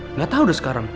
enggak tahu udah sekarang